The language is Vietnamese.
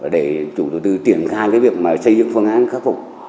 để chủ tư tiển khai cái việc mà xây dựng phương án khắc phục